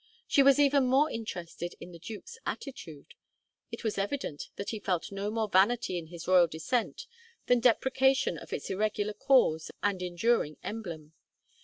She was even more interested in the duke's attitude; it was evident that he felt no more vanity in his royal descent than deprecation of its irregular cause and enduring emblem.